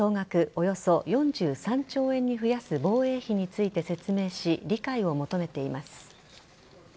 およそ４３兆円に増やす防衛費について説明し理解を求めています。